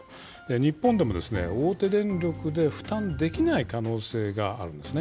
日本でも大手電力で負担できない可能性があるんですね。